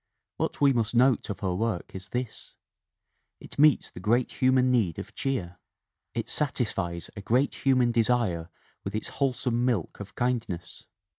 What we must note of her work is this: It meets the great human need of cheer, it satisfies a great human desire with its wholesome milk of kind ness.